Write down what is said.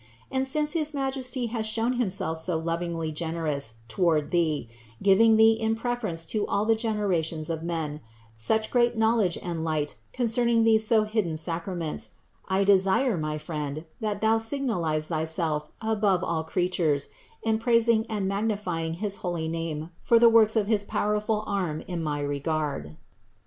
And since his Majesty has shown Himself so lovingly generous toward thee, giving thee in preference to all the generations of men, such great knowledge and light concerning these so hidden sacra ments, I desire, my friend, that thou signalize thyself above all creatures in praising and magnifying his holy name for the works of his powerful arm in my regard.